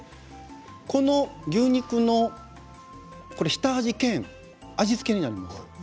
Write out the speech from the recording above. この牛肉の下味兼味付けになります。